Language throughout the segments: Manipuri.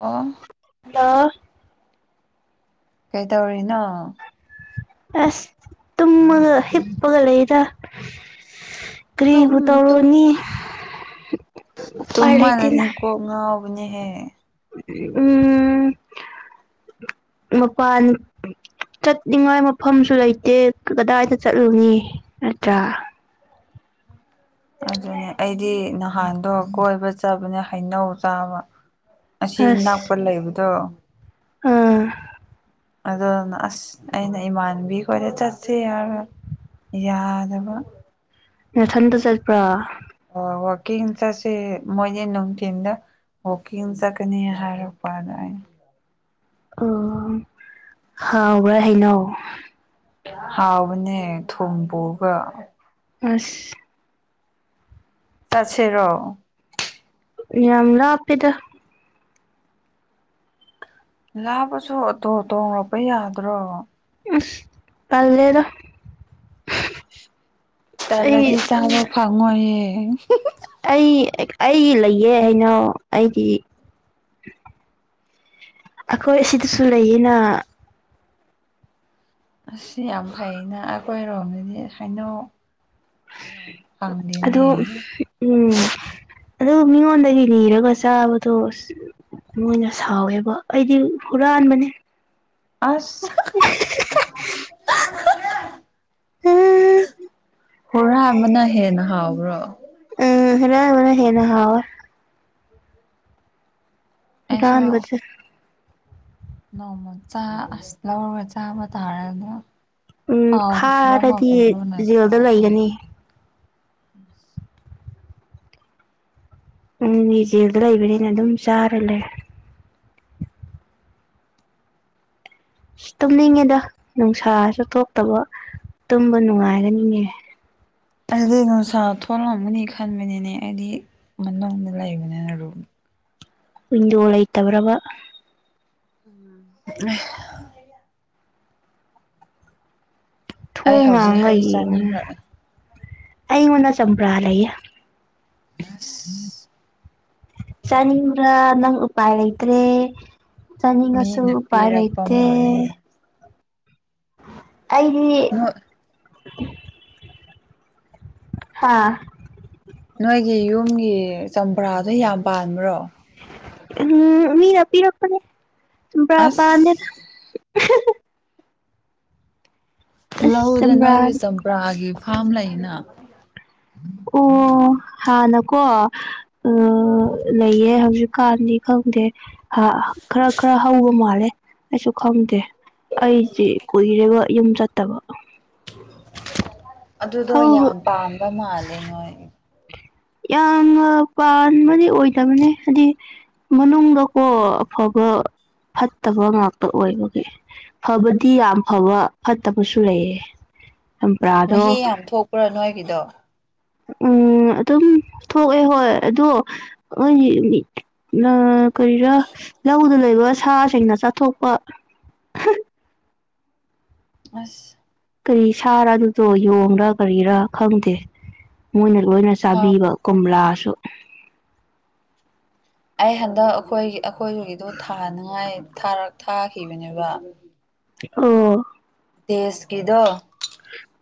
ꯑꯣ ꯂꯣ ꯀꯩꯇꯧꯔꯤꯅꯣ ꯑꯁ ꯇꯨꯝꯃꯒ ꯍꯤꯞꯄꯒ ꯂꯩꯗ ꯀ꯭ꯔꯤꯕꯨ ꯇꯨꯝ ꯇꯨꯝ ꯇꯧꯔꯨꯅꯤ ꯎꯄꯥꯏ ꯇꯨꯝꯃꯜꯂꯗꯤ ꯂꯩꯇꯦꯅ ꯀꯣꯛ ꯉꯥꯎꯕꯅꯦꯍꯦ ꯎꯝ ꯃꯄꯥꯟ ꯆꯠꯅꯤꯡꯉꯥꯏ ꯃꯐꯝꯁꯨ ꯂꯩꯇꯦ ꯀꯗꯥꯏꯗ ꯆꯠꯂꯨꯅꯤ ꯅꯠꯇ꯭ꯔꯥ ꯑꯗꯨꯅꯦ ꯑꯩꯗꯤ ꯅꯍꯥꯟꯗꯣ ꯀꯣꯏꯕ ꯆꯕꯅꯦ ꯍꯩꯅꯧ ꯆꯥꯕ ꯑꯁꯤ ꯅꯛꯄ ꯂꯩꯕꯗꯣ ꯎꯝ꯫ ꯑꯗꯣꯅ ꯑꯁ ꯑꯩꯅ ꯏꯃꯥꯟꯕꯤ ꯈꯣꯏꯗ ꯆꯠꯁ‌ꯦ ꯍꯥꯏꯕ ꯌꯥꯗꯕ ꯅꯠꯊꯟꯗ ꯆꯠꯄ꯭ꯔꯣ ꯍꯣꯏ ꯋꯥꯛꯀꯤꯡ ꯆꯠꯁ‌ꯦ ꯃꯣꯏꯖꯦ ꯅꯨꯡꯊꯤꯟꯗ ꯋꯥꯀꯤꯡ ꯆꯠꯀꯅꯤ ꯍꯥꯏꯔꯛꯄ ꯑꯗ ꯑꯩꯅ ꯑꯣ ꯍꯥꯎꯕ꯭ꯔꯥ ꯍꯩꯅꯧ ꯍꯥꯎꯕꯅꯦ ꯊꯨꯝ ꯄꯨꯕ꯭ꯔꯥ ꯑꯁ ꯆꯠꯁꯦꯔꯣ ꯌꯥꯝ ꯂꯥꯞꯄꯤ‌ꯗ ꯂꯥꯞꯄꯁꯨ ꯑꯣꯇꯣ ꯇꯣꯡꯔꯛꯄ ꯌꯥꯗ꯭ꯔꯣ ꯑꯁ ꯇꯜꯂꯦꯗ ꯇꯜꯂꯗꯤ ꯑꯩ ꯆꯥꯕ ꯐꯪꯉꯣꯏꯌꯦ ꯑꯩ ꯑꯩꯒꯤ ꯂꯩꯌꯦ ꯍꯩꯅꯧ ꯑꯩꯒꯤ ꯑꯈꯣꯏ ꯑꯁꯤꯗꯁꯨ ꯂꯩꯌꯦꯅ ꯑꯁ ꯌꯥꯝ ꯐꯩꯩꯅ ꯑꯩꯈꯣꯏꯔꯣꯝꯗꯗꯤ ꯍꯩꯅꯧ ꯌꯥꯝ ꯑꯗꯣ ꯐꯪꯗꯦꯅ‌ꯦ ꯎꯝ ꯑꯗꯨ ꯃꯤꯉꯣꯟꯗꯒꯤ ꯅꯤꯔꯒ ꯆꯥꯕꯗꯣ ꯃꯣꯏꯅ ꯁꯥꯎꯋꯦꯕ ꯑꯩꯗꯤ ꯍꯨꯔꯥꯟꯕꯅꯤ ꯑꯁ [unintelligible] ꯍꯨꯔꯥꯟꯕꯅ ꯍꯦꯟꯅ ꯍꯥꯎꯕ꯭ꯔꯣ ꯎꯝ ꯍꯨꯔꯥꯟꯕꯅ ꯍ‌ꯦꯟꯅ ꯍꯥꯎꯋꯦ ꯑꯩꯁꯨ [unintelligible] ꯅꯣꯡꯃ ꯆꯥ ꯑꯁ ꯂꯧꯔꯒ ꯆꯥꯕ ꯇꯥꯔꯕꯣ ꯎꯝ ꯐꯥꯔꯗꯤ ꯖꯦꯜꯗ ꯇ꯭ꯔꯥꯏ ꯇꯧ ꯂꯩꯒꯅꯤ꯫ [unintelligible] ꯎꯝ ꯃꯤꯖꯦꯜꯗ ꯂꯩꯕꯅꯤꯅ ꯑꯗꯨꯝ ꯆꯥꯔꯂꯦ ꯇꯨꯝꯅꯤꯡꯉꯦꯗ ꯅꯨꯡꯁꯥꯁꯨ ꯊꯣꯛꯇꯕ ꯇꯨꯝꯕ ꯅꯨꯡꯉꯥꯏꯒꯅꯤꯅꯦ꯫ ꯑꯩꯗꯤ ꯅꯨꯡꯁꯥ ꯊꯣꯛꯂꯝꯒꯅꯤ ꯈꯟꯕꯅꯤꯅꯦ ꯑꯩꯗꯤ ꯃꯅꯨꯡꯗ ꯂꯩꯕꯅꯦ ꯔꯨꯝ ꯋꯤꯟꯗꫭ ꯂꯩꯇꯕ꯭ꯔꯕ꯫ [unintelligible] ꯑꯩ ꯊꯣꯡ ꯍꯧꯖꯤꯛ ꯍꯥꯡꯉꯒ ꯍꯩ ꯌꯦꯡꯉꯨꯅ ꯆꯥꯅꯤꯡꯔꯛꯑꯦ ꯑꯩꯉꯣꯟꯗ ꯆꯝꯄ꯭ꯔꯥ ꯂꯩꯌꯦ꯫ [unintelligible] ꯆꯥꯅꯤꯡꯕ꯭ꯔꯥ ꯅꯪ ꯎꯄꯥꯏ ꯂꯩꯇ꯭ꯔꯦ꯫ ꯆꯅꯤꯡꯉꯁꯨ ꯃꯤꯅ ꯎꯄꯥꯏ ꯄꯤꯔꯛꯄ ꯂꯩꯇ‌ꯦ꯫ ꯃꯥꯜꯂꯦꯗ ꯑꯩꯗꯤ ꯍꯥꯥ꯫ ꯅꯣꯏꯒꯤ ꯌꯨꯝꯒꯤ ꯆꯝꯄ꯭ꯔꯥꯗꯣ ꯌꯥꯝ ꯄꯥꯟꯕ꯭ꯔꯣ꯫ ꯎꯝ ꯃꯤꯅ ꯄꯤꯔꯛꯄꯅꯦ ꯆꯝꯄ꯭ꯔꯥ ꯄꯥꯟꯗꯦ ꯑꯁ ꯑꯁ ꯂꯧꯗ ꯆꯝꯄ꯭ꯔꯥ ꯅꯣꯏꯒꯤ ꯆꯝꯄ꯭ꯔꯥꯒꯤ ꯐꯥꯝ ꯂꯩꯅ ꯑꯣ ꯍꯥꯟꯅꯀꯣ ꯑ ꯂꯩꯌꯦ ꯍꯧꯖꯤꯛꯀꯥꯟꯗꯤ ꯈꯪꯗꯦ ꯍ ꯈꯔ ꯈꯔ ꯍꯧꯕ ꯃꯥꯜꯂꯦ ꯑꯩꯁꯨ ꯈꯪꯗꯦ ꯑꯩꯖꯦ ꯀꯨꯏꯔꯦꯕ ꯌꯨꯝ ꯆꯠꯇꯕ ꯑꯗꯨꯗꯣ ꯍꯧꯕ ꯌꯥꯝ ꯄꯥꯟꯕ ꯃꯥꯜꯂꯦ ꯅꯣꯏ ꯌꯥꯝꯅ ꯄꯥꯟꯕꯗꯤ ꯑꯣꯏꯗꯕꯅꯦ ꯍꯗꯤ ꯃꯅꯨꯡꯗꯀꯣ ꯑꯐꯕ ꯐꯠꯇꯕ ꯉꯥꯛꯇ ꯑꯣꯏꯕꯒꯤ ꯐꯕꯗꯤ ꯌꯥꯝ ꯐꯕ ꯐꯠꯇꯕꯁꯨ ꯂꯩꯌꯦ ꯆꯝꯄ꯭ꯔꯥꯗꯣ ꯃꯍꯤ ꯌꯥꯝ ꯊꯣꯛꯄ꯭ꯔꯥ ꯅꯣꯏꯒꯤꯗꯣ ꯎꯝ ꯑꯗꯨꯝ ꯊꯣꯛꯑꯦ ꯍꯣꯏ ꯑꯗꯣ [unintelligible] ꯅ ꯀꯔꯤꯔꯥ ꯂꯧꯗ ꯂꯩꯕ ꯁꯥꯁꯤꯡꯅ ꯆꯥꯊꯣꯛꯄ [inaudible] ꯑꯁ ꯀꯔꯤ ꯁꯥꯔ ꯑꯗꯨꯗꯣ ꯌꯣꯡꯔꯥ ꯀꯔꯤꯔꯥ ꯈꯪꯗꯦ ꯃꯣꯏꯅ ꯂꯣꯏꯅ ꯍꯥꯎ ꯆꯥꯕꯤꯕ ꯀꯨꯝꯂꯥꯁꯨ ꯑꯩ ꯍꯟꯗꯛ ꯑꯩꯈꯣꯏ ꯑꯈꯣꯏꯕꯒꯤꯗꯣ ꯊꯥꯅꯤꯡꯉꯥꯏ ꯊꯥꯔꯛ ꯊꯥꯈꯤꯕꯅꯦꯕ ꯑꯣ ꯗꯦꯁꯀꯤꯗꯣ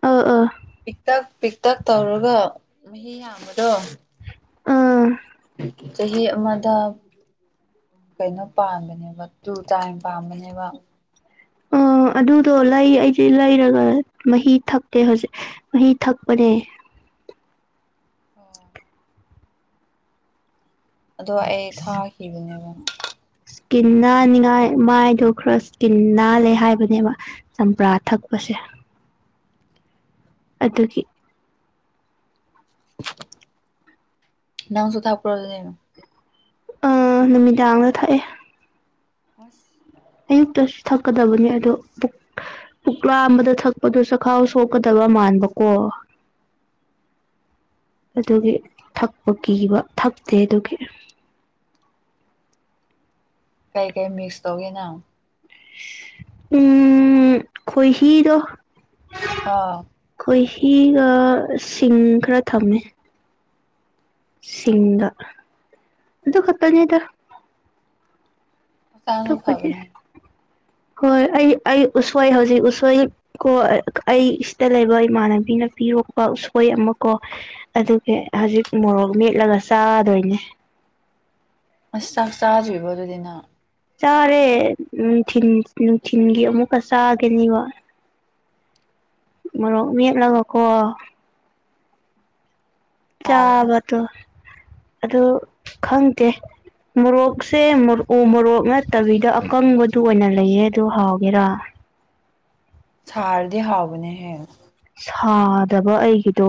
ꯑꯥ ꯑꯥ ꯄꯤꯛꯇꯛ ꯄꯤꯛꯇꯛ ꯇꯧꯔꯒ ꯃꯍꯤ ꯌꯥꯝꯕꯗꯣ ꯑ ꯆꯍꯤ ꯑꯃꯗ ꯀꯩꯅꯣ ꯄꯥꯟꯕꯅꯦꯕ ꯇꯨ ꯇꯥꯏꯝ ꯄꯥꯝꯕꯅꯦꯕ ꯑ ꯑꯗꯨꯗꯣ ꯂꯩ ꯑꯩꯗꯤ ꯂꯩꯔꯒ ꯃꯍꯤ ꯊꯛꯀꯦ ꯍꯧꯖꯤꯛ ꯃꯍꯤ ꯊꯛꯄꯅꯦ ꯑꯣ ꯑꯗꯣ ꯑꯩ ꯊꯥꯈꯤꯕꯅꯦꯕ ꯀꯤꯟ ꯅꯥꯅꯤꯡꯉꯥꯏ ꯃꯥꯏꯗꯣ ꯈꯔ ꯁ꯭ꯀꯤꯟ ꯅꯥꯜꯂꯦ ꯍꯥꯏꯕꯅꯦꯕ ꯆꯝꯄ꯭ꯔꯥ ꯊꯛꯄꯁꯦ ꯑꯗꯨꯒꯤ ꯅꯪꯁꯨ ꯊꯛꯄ꯭ꯔꯥ ꯗꯨꯗꯤ ꯑ ꯅꯨꯃꯤꯗꯥꯡꯗ ꯊꯛꯑꯦ ꯑꯁ ꯑꯌꯨꯛꯇꯁꯨ ꯊꯛꯀꯗꯕꯅꯦ ꯑꯗꯣ ꯄꯨꯛ ꯄꯨꯛ ꯂꯥꯝꯕꯗ ꯊꯛꯄꯗꯣ ꯆꯈꯥꯎ ꯁꯣꯛꯀꯗꯕ ꯃꯥꯟꯕꯀꯣ [inaudible] ꯑꯗꯨꯒꯤ ꯊꯛꯄ ꯀꯤꯕ ꯊꯛꯇꯦ ꯑꯗꯨꯒꯤ ꯀꯩ ꯀꯩ ꯃꯤꯛꯁ ꯇꯧꯒꯦ ꯅꯪ ꯎꯝ ꯈꯨꯏꯍꯤꯗꯣ ꯑꯥ ꯈꯨꯏꯍꯤꯒ ꯁꯤꯡ ꯈꯔ ꯊꯝꯃꯦ ꯁꯤꯡꯒ ꯑꯗꯨ ꯈꯇꯅꯦꯗ ꯍꯛꯆꯥꯡꯁꯨ ꯇꯣꯞꯄꯗꯤ [inaudible] ꯍꯣꯏ ꯑꯩ ꯑꯩ ꯎꯁꯣꯏ ꯍꯧꯖꯤꯛ ꯎꯁꯣꯏ ꯀꯣ ꯑꯩ ꯁꯤꯗ ꯂꯩꯕ ꯏꯃꯥꯟꯅꯕꯤꯅ ꯄꯤꯔꯛꯄ ꯎꯁꯣꯏ ꯑꯃ ꯀꯣ ꯑꯗꯨꯒꯤ ꯍꯖꯤꯛ ꯃꯣꯔꯣꯛ ꯃꯦꯠꯂꯒ ꯆꯥꯗꯣꯏꯅꯦ ꯑꯁ ꯆꯥꯛ ꯆꯥꯗ꯭ꯔꯤꯕꯣ ꯑꯗꯨꯗꯤ ꯅꯪ ꯆꯥꯔꯦ ꯅꯨꯡꯊꯤꯟ ꯅꯨꯡꯊꯤꯟꯒꯤ ꯑꯃꯨꯛꯀ ꯆꯥꯒꯅꯤꯕ ꯃꯣꯔꯣꯛ ꯃꯦꯠꯂꯒ ꯀꯣ ꯍꯥꯎꯕꯅꯦ ꯆꯥꯕꯇꯣ ꯑꯗꯨ ꯈꯪꯗꯦ ꯃꯣꯔꯣꯛꯁꯦ ꯃꯣ ꯎ ꯃꯣꯔꯣꯛ ꯅꯠꯇꯕꯤꯗ ꯑꯀꯪꯕꯗꯨ ꯑꯣꯏꯅ ꯂꯩꯌꯦ ꯑꯗꯨ ꯍꯥꯎꯒꯦꯔꯥ ꯁꯥꯔꯗꯤ ꯍꯥꯎꯕꯅꯦ ꯍꯦ ꯁꯥꯗꯕ ꯑꯩꯒꯤꯗꯣ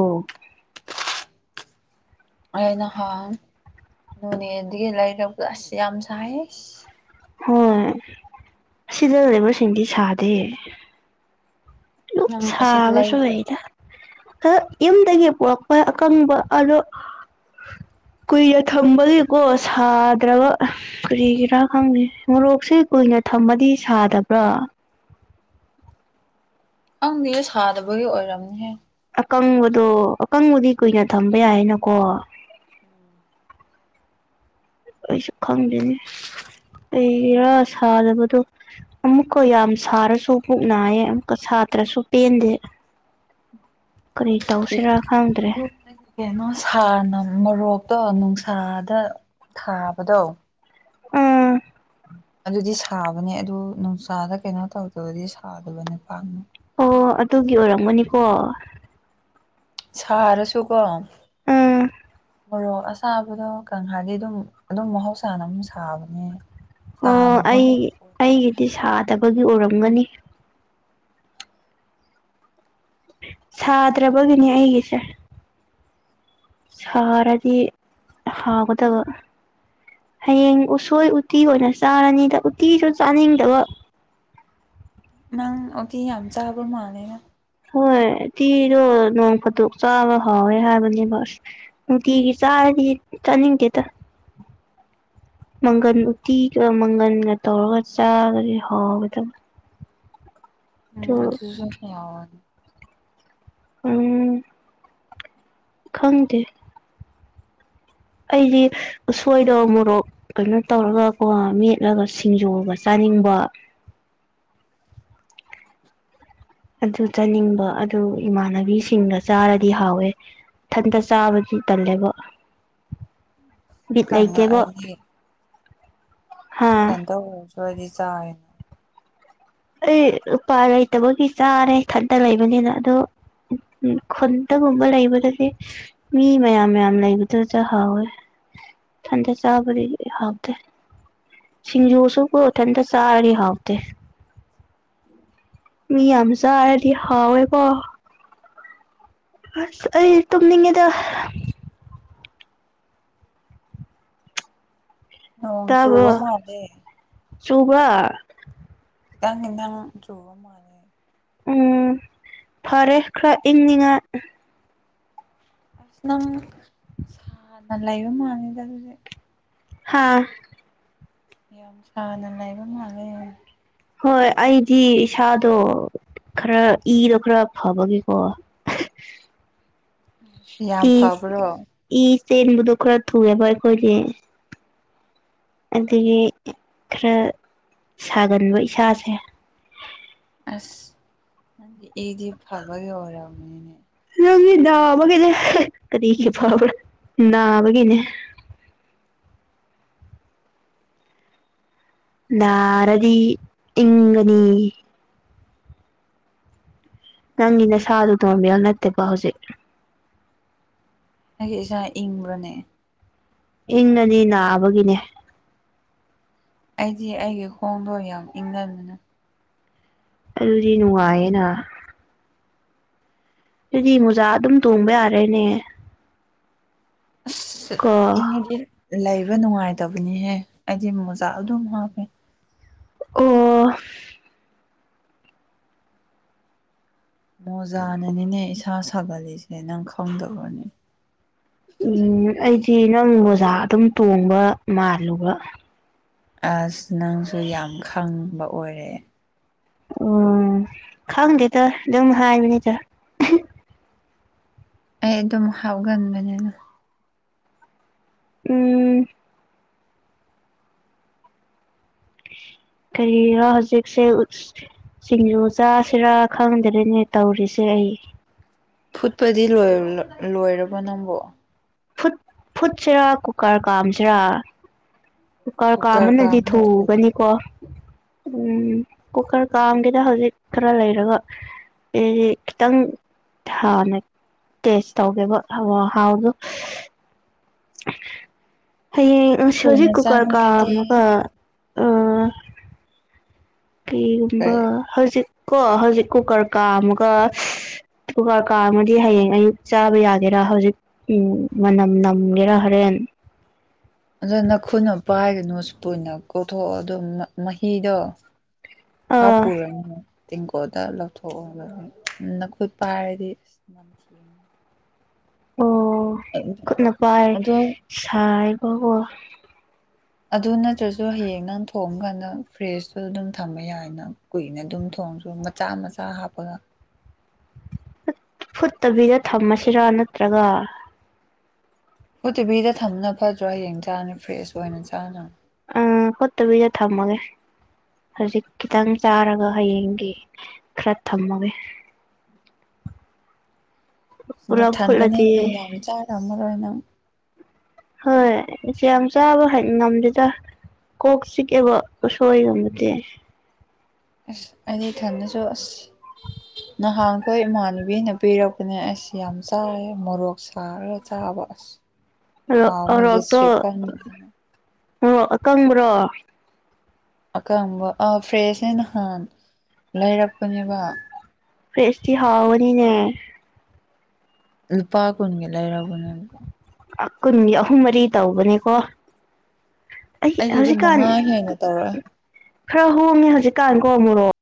ꯑꯩ ꯅꯍꯥꯟ ꯅꯣꯅꯦ ꯗꯒꯤ ꯂꯩꯔꯕ ꯑꯁ ꯌꯥꯝ ꯁꯥꯏꯍꯦ ꯍꯣꯏ ꯁꯤꯗ ꯂꯩꯕꯁꯤꯡꯗꯤ ꯁꯥꯗꯦ ꯂꯨꯛ ꯅꯪ ꯑꯁꯤꯗ ꯁꯥꯥꯕꯁꯨ ꯂꯩꯔꯤꯔꯣ ꯂꯩꯗ ꯌꯨꯝꯗꯒꯤ ꯄꯨꯔꯛꯄ ꯑꯀꯪꯕ ꯑꯗꯣ ꯀꯨꯏꯅ ꯊꯝꯕꯒꯤꯀꯣ ꯁꯥꯗ꯭ꯔꯕ ꯀꯨꯔꯤꯒꯤꯔꯥ ꯈꯪꯗꯦ ꯃꯣꯔꯣꯛꯁꯦ ꯀꯨꯏꯅ ꯊꯃꯗꯤ ꯁꯥꯗꯕ꯭ꯔꯥ ꯈꯪꯗꯦꯍꯦ ꯁꯥꯗꯕꯒꯤ ꯑꯣꯏꯔꯝꯅꯤꯍꯦ ꯑꯀꯪꯕꯗꯣ ꯑꯀꯪꯕꯗꯤ ꯀꯨꯏꯅ ꯊꯝꯕ ꯌꯥꯏꯅꯀꯣ ꯑꯩꯁꯨ ꯈꯪꯗ꯭ꯔꯦꯅꯦ ꯀꯩꯒꯤꯔꯥ ꯁꯥꯗꯕꯗꯣ ꯑꯃꯨꯛꯀ ꯌꯥꯝ ꯁꯥꯔꯁꯨ ꯄꯨꯛ ꯅꯥꯏꯌꯦ ꯑꯃꯨꯛꯀ ꯁꯥꯇ꯭ꯔꯁꯨ ꯄꯦꯟꯗꯦ ꯀꯔꯤ ꯇꯧꯁꯤꯔꯥ ꯈꯪꯗ꯭ꯔꯦ [unintelligible] ꯀꯩꯅꯣ ꯁꯥꯔꯅ ꯃꯣꯔꯣꯛꯇꯣ ꯅꯨꯡꯁꯥꯗ ꯊꯥꯕꯗꯣ ꯎꯝ ꯑꯗꯨꯗꯤ ꯁꯥꯕꯅꯦ ꯑꯗꯨ ꯅꯨꯡꯁꯥꯗ ꯀꯩꯅꯣ ꯇꯧꯗꯕꯗꯤ ꯁꯥꯗꯕꯅꯦ ꯄꯥꯛꯅ ꯑꯣ ꯑꯗꯨꯒꯤ ꯑꯣꯏꯔꯝꯒꯅꯤꯀꯣ ꯁꯥꯔꯁꯨꯀꯣ ꯎꯝ ꯃꯣꯔꯣ ꯑꯁꯥꯕꯗꯣ ꯀꯥꯡꯍꯥꯒꯤ ꯑꯗꯨꯝ ꯑꯗꯨꯝ ꯃꯍꯧꯁꯥꯅ ꯑꯝ ꯁꯥꯕꯅꯦ ꯑꯣ ꯑꯩ ꯁꯥꯗꯕꯒꯤ ꯑꯣꯏꯔꯝꯅꯤ ꯑꯩꯒꯤꯗꯤ ꯁꯥꯗꯕꯒꯤ ꯎꯔꯝꯒꯅꯤ ꯁꯥꯗ꯭ꯔꯕꯒꯤꯅꯦ ꯑꯩꯒꯤꯁꯦ ꯁꯥꯔꯗꯤ ꯍꯥꯎꯒꯗꯕ ꯍꯌꯦꯡ ꯎꯁꯣꯏ ꯎꯇꯤ ꯑꯣꯏꯅ ꯆꯥꯔꯅꯤꯗ ꯎꯇꯤꯁꯨ ꯆꯥꯅꯤꯡꯗꯕ ꯅꯪ ꯑꯣ ꯀꯦ ꯌꯥꯝ ꯆꯥꯕ ꯃꯥ ꯍꯥꯥꯟꯂꯦꯅ ꯍꯣꯏ ꯎꯇꯤꯗꯣ ꯅꯣꯡ ꯐꯥꯇꯣꯛ ꯆꯥꯕ ꯍꯥꯎꯋꯦ ꯍꯥꯏꯕꯅꯦꯕꯁ ꯅꯨꯡꯗꯤꯒꯤ ꯆꯥꯔꯗꯤ ꯆꯠꯅꯤꯡꯗꯦꯗ ꯃꯪꯒꯟ ꯎꯇꯤꯒ ꯃꯪꯒꯟꯒ ꯇꯧꯔꯒ ꯆꯥꯔꯗꯤ ꯍꯥꯎꯒꯗꯕ ꯎꯝ ꯑꯗꯨ ꯑꯗꯨꯁꯨ ꯁꯣꯏꯅ ꯌꯥꯎꯔꯟ ꯎꯝ ꯈꯪꯗꯦ ꯑꯩꯗꯤ ꯎꯁꯣꯏ ꯗꯣ ꯃꯣꯔꯣꯛ ꯀꯩꯅꯣ ꯇꯧꯔꯒꯀꯣ ꯃꯦꯠꯂꯒ ꯁꯤꯡꯖꯨꯒ ꯆꯥꯅꯤꯡꯕ ꯑꯗꯨ ꯆꯥꯅꯤꯡꯕ ꯑꯗꯨ ꯏꯃꯥꯟꯅꯕꯤꯁꯤꯡꯒ ꯆꯥꯔꯗꯤ ꯍꯥꯎꯋꯦ ꯏꯊꯟꯇ ꯆꯥꯕꯗꯤ ꯇꯜꯂꯦꯕ [inaudible] ꯕꯤꯠ ꯇꯟꯕ ꯂꯩꯇꯦꯕ ꯑꯩꯗꯤ ꯍꯥ [unintelligible] ꯆꯥꯔꯦ ꯑꯩ ꯂꯨꯄꯥꯏ ꯂꯩꯇꯕꯒꯤ ꯆꯥꯔꯦ ꯏꯊꯟꯇ ꯂꯩꯕꯅꯤꯅ ꯑꯗꯣ ꯎ ꯈꯟꯗꯒꯨꯝꯕ ꯂꯩꯕꯗꯗꯤ ꯃꯤ ꯃꯌꯥꯝ ꯃꯌꯥꯝ ꯂꯩꯕꯗꯨꯗ ꯍꯥꯎꯋꯦ ꯏꯊꯟꯗ ꯆꯕꯗꯗꯤ ꯍꯥꯎꯇꯦ ꯁꯤꯡꯖꯨꯁꯨꯀꯣ ꯏꯊꯟꯇ ꯆꯥꯔꯤꯗꯤ ꯍꯥꯎꯇꯦ ꯃꯤ ꯌꯥꯝ ꯆꯥꯔꯗꯤ ꯍꯥꯎꯋꯦ ꯀꯣ ꯑꯁ ꯑꯩ ꯇꯨꯝꯅꯤꯡꯉꯦꯗ ꯅꯣꯡ ꯇꯥꯕꯣ ꯆꯨꯕ ꯃꯥꯜꯂꯦ ꯆꯨꯕ꯭ꯔꯥ ꯈꯤꯇꯪ ꯈꯤꯇꯪ ꯆꯨꯕ ꯃꯥꯜꯂꯦ ꯎꯝ ꯐꯔꯦ ꯈꯔ ꯏꯪꯅꯤꯡꯉꯥꯏ ꯑꯁ ꯅꯪ ꯁꯥꯥꯟꯅ ꯂꯩꯕ ꯃꯜꯂꯦꯗꯥ ꯑꯗꯨꯗꯤ ꯍꯥꯥ ꯌꯥꯝ ꯁꯅ ꯂꯩꯕ ꯃꯥꯂꯜꯂꯦ ꯍꯣꯏ ꯑꯩꯗꯤ ꯏꯁꯥꯗꯣ ꯈꯔ ꯏꯗꯣ ꯈꯔ ꯐꯕꯒꯤꯀꯣ ꯌꯥꯝ ꯇꯤꯁ ꯐꯕ꯭ꯔꯣ ꯏ ꯆꯦꯟꯕꯥꯗꯣ ꯈꯔ ꯊꯨꯔꯕꯥ ꯑꯩꯈꯣꯏꯒꯤ ꯑꯗꯒꯤ ꯈꯔ ꯁꯥꯒꯟꯕ ꯏꯁꯥꯁꯦ ꯑꯁ ꯏꯗꯤ ꯐꯕꯒꯤ ꯑꯣꯏꯔꯝꯕꯅꯤꯅꯦ ꯅꯪꯒꯤ ꯅꯥꯕꯒꯤꯅꯦ ꯀꯔꯤꯒꯤ ꯐꯕ꯭ꯔꯥ ꯅꯥꯕꯒꯤꯅꯦ ꯅꯥꯔꯗꯤ ꯏꯪꯒꯥꯅꯤ ꯅꯪꯒꯤ ꯑꯁ ꯅꯁꯥꯗ ꯇꯣꯡꯕꯤꯌꯣ ꯅꯠꯇꯦꯕꯣ ꯍꯧꯖꯤꯛ ꯑꯩꯒꯤ ꯏꯆꯥ ꯏꯪꯕ꯭ꯔꯅꯦ ꯏꯪꯅꯅꯤ ꯅꯥꯕꯒꯤꯅꯦ ꯑꯩꯗꯤ ꯑꯩꯒꯤ ꯈꯣꯡꯗꯣ ꯌꯥꯝ ꯏꯪꯒꯟꯅꯤꯅ ꯑꯗꯨꯗꯤ ꯅꯨꯡꯉꯥꯏꯌꯦꯅ ꯑꯗꯨꯗꯤ ꯃꯨꯖꯥ ꯑꯗꯨꯝ ꯇꯣꯡꯕ ꯌꯥꯔꯦꯅꯦ ꯑꯁ ꯀꯣ ꯏꯪꯉꯗꯤ ꯂꯩꯕ ꯅꯨꯡꯉꯥꯏꯇꯕꯅꯤꯍꯦ ꯑꯩꯗꯤ ꯃꯣꯖꯥ ꯑꯗꯨꯝ ꯍꯥꯞꯄꯦ ꯑꫭ꯫ ꯃꯣꯖꯥꯅꯅꯤꯅꯦ ꯏꯁꯥ ꯁꯥꯒꯠꯜꯂꯤꯁꯦ ꯅꯪ ꯈꯪꯗꯕ꯭ꯔꯅꯦ ꯎꯝ ꯑꯩꯗꯤ ꯅꯪ ꯃꫭꯖꯥ ꯑꯗꯨꯝ ꯇꯣꯡꯕ ꯃꯥꯜꯂꯨꯕ꯫ ꯑꯁ ꯅꯪꯁꯨ ꯌꯥꯝ ꯈꯪꯕ ꯑꯣꯏꯔꯦ꯫ ꯈꯪꯗꯦꯗ ꯑꯗꯨꯝ ꯍꯥꯏꯕꯅꯤꯗ꯫ ꯑꯩ ꯑꯗꯨꯝ ꯍꯥꯎꯒꯟꯕꯅꯤꯗ꯫ ꯎꯝ ꯀꯔꯤꯔ ꯍꯧꯖꯤꯛꯁꯦ ꯎꯁ ꯁꯤꯡꯖꯨ ꯆꯥꯁꯤꯔꯥ ꯈꯪꯗ꯭ꯔꯦꯅꯦ ꯇꯧꯔꯤꯁꯦ ꯑꯩ꯫ ꯐꯨꯠꯄꯗꯤ ꯂꯣꯏꯔ ꯂꫭꯏꯔꯕ ꯅꯪꯕꫭ꯫ Food ꯐꯨꯠꯁꯤꯔꯥ cooker ꯀꯥꯝꯁꯦꯔꯥ꯫ ꯀꯔ ꯀꯨꯀꯔ ꯀꯥꯝꯕꯅꯗꯤ ꯀꯥꯝꯅ ꯊꯨꯗ꯭ꯔꯣ ꯊꯨꯒꯅꯤꯀꯣ꯫ ꯀꯨꯀꯔ ꯀꯥꯝꯒꯦꯗ ꯍꯧꯖꯤꯛ ꯈꯔ ꯂꯩꯔꯒ꯫ ꯑꯩꯗꯤ ꯈꯤꯇꯪ ꯊꯥꯟꯅ ꯇꯦꯁ ꯇꯧꯒꯦꯕ ꯍꯋꯥ ꯍꯥꯎꯗꯨ꯫ ꯍꯌꯦꯡ ꯁ ꯊꯨꯅ ꯍꯧꯖꯤꯛ ꯀꯨꯀꯔ ꯀ ꯆꯥꯅꯤꯡꯉꯗꯤ ꯑꯃꯒ ꯑ ꯀ꯭ꯔꯒꯨꯝꯕ ꯀꯩ ꯍꯧꯖꯤꯛ ꯀꯣ ꯍꯧꯖꯤꯛ ꯀꯨꯀꯔ ꯀꯥꯝꯃꯒ [unintelligible] ꯀꯨꯀꯔ ꯀꯥꯝꯃꯗꯤ ꯍꯌꯦꯡ ꯑꯌꯨꯛ ꯆꯥꯕ ꯌꯥꯒꯦꯔꯥ ꯍꯧꯖꯤꯛ꯫ ꯃꯅꯝ ꯅꯝꯒꯦꯔꯥ ꯍꯣꯔꯦꯟ꯫ ꯑꯗꯨ ꯅꯈꯨꯠꯅ ꯄꯥꯏꯔꯨꯅꯨ ꯁ꯭ꯄꯨꯟꯅ ꯀꯣꯊꯣꯛꯑꯣ ꯑꯗꫭ ꯃ ꯃꯍꯤꯗꯣ꯫ ꯑꯥ ꯍꯥꯥꯞꯄꯨꯔꯅꯨ꯫ ꯇꯦꯡꯀꯣꯗ ꯂꯧꯊꯣꯛꯑꫭꯕ ꯅꯈꯨꯠ ꯄꯥꯏꯔꯗꯤ ꯑꯁ ꯅꯝꯊꯤꯒꯅꯤ꯫ ꯑꯣ ꯈꯨꯠꯅ ꯄꯥꯏ ꯑꯗꯣ ꯁꯥꯏꯕꯀꫭ꯫ ꯑꯗꯨ ꯅꯠꯇ꯭ꯔꯁꯨ ꯍꯌꯦꯡ ꯅꯪ ꯊꯣꯡꯉꯀꯥꯟꯗ ꯐ꯭ꯔꯦꯖꯇꯁꯨ ꯑꯗꯨꯝ ꯊꯝꯕ ꯌꯥꯏꯅ꯫ ꯀꯨꯏꯅ ꯑꯗꯨꯝ ꯊꯣꯡꯁꯨ ꯃꯆꯥ ꯃꯆꯥ ꯍꯥꯞꯄꯒ꯫ ꯐꯨꯠꯇꯕꯤꯗ ꯊꯝꯃꯁꯤꯔꯥ ꯅꯠꯇ꯭ꯔꯒ꯫ ꯐꯨꯠꯇꯤꯕꯤꯗ ꯊꯝꯅ ꯐꯠꯇ꯭ꯔꯥ ꯍꯌꯦꯡ ꯆꯥꯅꯤ ꯐ꯭ꯔꯦꯁ ꯑꯣꯏꯅ ꯆꯥꯅ ꯑ ꯐꯨꯠꯇꯕꯤꯗ ꯊꯝꯃꯒꯦ꯫ ꯍꯧꯖꯤꯛ ꯈꯤꯇꯪ ꯆꯥꯔꯒ ꯍꯌꯦꯡꯒꯤ ꯈꯔ ꯊꯝꯃꯒꯦ꯫ ꯄꯨꯂꯞ ꯐꯨꯠꯂꯗꯤ ꯅꯊꯟꯗꯅꯦꯅ ꯌꯥꯝ ꯆꯥ ꯉꯝꯑꯔꯣꯏ ꯅꯪ꯫ ꯍꯣꯏ ꯏꯁ ꯌꯥꯝ ꯆꯥꯕ ꯍꯩ ꯉꯝꯗꯦꯗ꯫ ꯀꯣꯛ ꯆꯤꯛꯀꯦꯕ ꯎꯁꯣꯏꯒꯨꯝꯕꯗꯤ꯫ ꯑꯁ ꯑꯩꯗꯤ ꯏꯊꯟꯗꯁꯨ ꯑꯁ꯫ ꯅꯍꯥꯟ ꯈꯣꯏ ꯏꯃꯥꯟꯅꯕꯤꯅ ꯄꯤꯔꯛꯄꯅꯦ ꯑꯩꯁ ꯌꯥꯝ ꯆꯥꯏꯌꯦ ꯃꯣꯔꯣꯛ ꯁꯥꯔꯒ ꯆꯥꯕ ꯑꯁ꯫ [inaudible] ꯔꫭ ꯑꯣꯔꯣꯛꯇꯣ ꯒꯦꯁꯇ꯭ꯔꯤꯛ ꯀꯟꯕꯅꯤꯅ ꯃꯣꯔꯣꯛ ꯑꯀꯪꯕ꯭ꯔꯣ꯫ ꯑꯀꯪꯕ ꯑ ꯐ꯭ꯔꯦꯁꯅꯦ ꯅꯍꯥꯟ ꯂꯩꯔꯛꯄꯅꯦꯕ꯫ ꯐ꯭ꯔꯦꯁꯇꯤ ꯍꯥꯎꯕꯅꯤꯅꯦ꯫ ꯂꯨꯄꯥ ꯀꯨꯟꯒꯤ ꯂꯩꯔꯛꯄꯅꯦ꯫ ꯀꯨꯟꯒꯤ ꯑꯍꯨꯝ ꯃꯔꯤ ꯇꯧꯕꯅꯦꯀꯣ꯫ ꯑꯩ ꯑꯩꯒꯤꯗꯤ ꯍꯧꯖꯤꯛꯀꯥꯟ ꯃꯉꯥ ꯍꯦꯟꯅ ꯇꯧꯔꯛꯑꯦ ꯈꯔ ꯍꯣꯡꯉꯦ ꯍꯧꯖꯤꯛꯀꯥꯟ ꯀꯣ ꯃꯣꯔꯣꯛ꯫